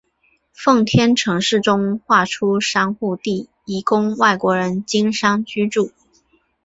奉天城市中划出商埠地以供外国人经商居住。